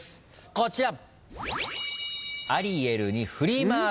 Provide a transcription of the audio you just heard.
こちら。